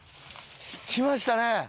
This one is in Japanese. きましたね。